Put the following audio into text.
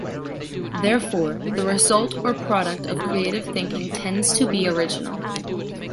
Therefore, the result or product of creative thinking tends to be original.